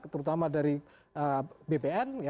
terutama dari bpn